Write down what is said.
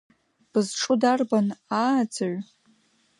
Бызҿу дарбан, ааӡаҩ?